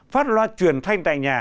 phát loa truyền thanh tại nhà